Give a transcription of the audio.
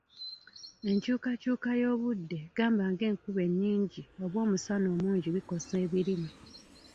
Enkyukakyuka y’obudde gamba ng’enkuba ennyingi oba omusana omungi bikosa ebirime.